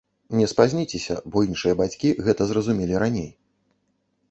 Не спазніцеся, бо іншыя бацькі гэта зразумелі раней.